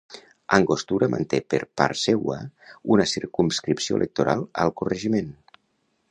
Angostura manté per part seua una circumscripció electoral al corregiment.